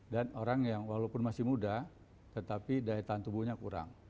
dan orang yang walaupun masih muda tetapi daya tahan tubuhnya kurang